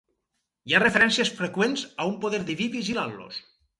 Hi ha referències freqüents a un poder diví vigilant-los.